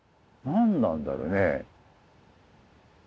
何なんだろうね。